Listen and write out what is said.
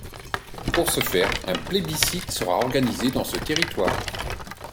Pour ce faire, un plébiscite sera organisé dans ce territoire.